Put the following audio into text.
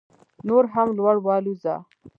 نور هم لوړ والوځه